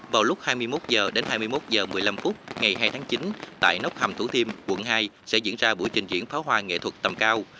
vào lúc hai mươi một h đến hai mươi một h một mươi năm ngày hai tháng chín tại nốc hầm thủ thiêm quận hai sẽ diễn ra buổi trình diễn pháo hoa nghệ thuật tầm cao